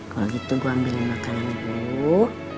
kalau gitu gue ambilin makanan dulu